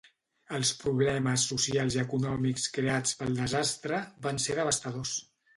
Els problemes socials i econòmics creats pel desastre van ser devastadors.